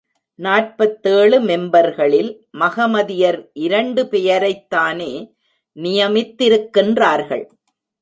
நாற்பத்தேழு மெம்பர்களில் மகமதியர் இரண்டு பெயரைத்தானே நியமித்திருக்கின்றார்கள்.